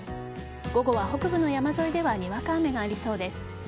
午後は北部の山沿いではにわか雨がありそうです。